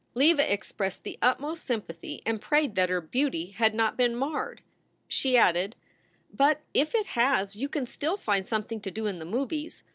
Leva expressed the utmost sympathy and prayed that her beauty had not been marred. She added : "But if it has, you can still find something to do in the movies.